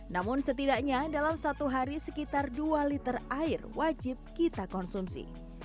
namun setidaknya dalam satu hari sekitar dua liter air wajib kita konsumsi